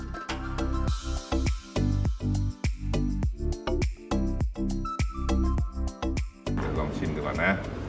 เดี๋ยวลองชิมดีกว่านะ